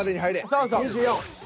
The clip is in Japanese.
そうそう。